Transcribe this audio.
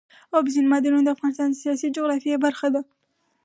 اوبزین معدنونه د افغانستان د سیاسي جغرافیه برخه ده.